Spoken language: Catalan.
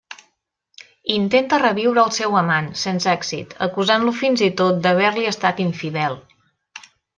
Intenta reviure el seu amant, sense èxit, acusant-lo fins i tot d'haver-li estat infidel.